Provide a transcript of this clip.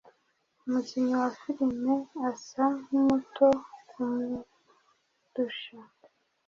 Umukinnyi wa filime asa nkumuto kumurusha